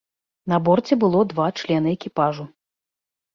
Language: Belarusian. На борце было два члены экіпажу.